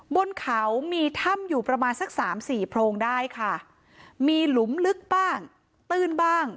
บนเขามีถ้ำอยู่ประมาณสักสามสี่โพรงได้ค่ะมีหลุมลึกบ้างตื้นบ้าง